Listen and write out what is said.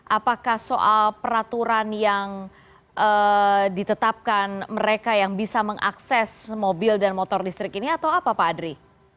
apakah soal peraturan yang ditetapkan mereka yang bisa mengakses mobil dan motor listrik ini atau apa pak adri